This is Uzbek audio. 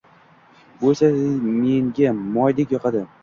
Bu esa menga moydek yoqadi